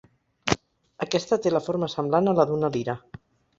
Aquesta té la forma semblant a la d'una lira.